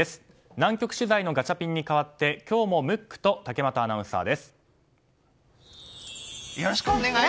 南極取材のガチャピンに代わって今日もムックとよろしくお願いします！